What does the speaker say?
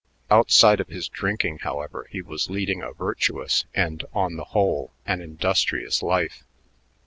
Outside of his drinking, however, he was leading a virtuous and, on the whole, an industrious life.